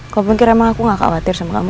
kau pikir emang aku gak khawatir sama kamu